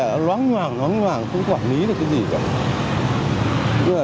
nó loáng loàng loáng loàng không quản lý được cái gì cả